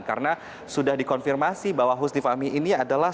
karena sudah dikonfirmasi bahwa husni fahmi ini adalah